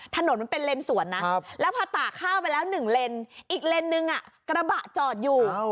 ถนนมันเป็นเลนสวนนะแล้วพอตากข้าวไปแล้ว๑เลนอีกเลนส์นึงกระบะจอดอยู่